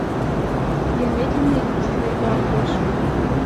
Я медленно иду к своему окошку.